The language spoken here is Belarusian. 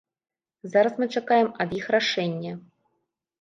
Зараз мы чакаем ад іх рашэння.